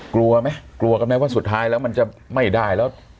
กลัวไหมกลัวกันไหมว่าสุดท้ายแล้วมันจะไม่ได้แล้ว